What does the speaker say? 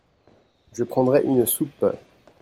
Je pendrai une soupe.